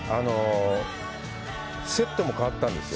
セットも変わったんですよ。